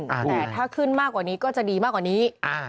แต่ถ้าขึ้นมากกว่านี้ก็จะดีมากกว่านี้